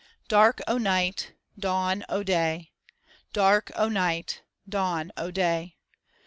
Dark o' night, dawn o' day. Dark o' night, dawn o' day.